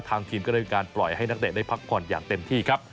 ทีมก็ได้มีการปล่อยให้นักเตะได้พักผ่อนอย่างเต็มที่ครับ